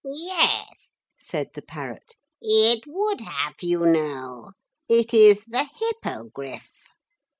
'Yes,' said the parrot; 'it would have, you know. It is the Hippogriff.'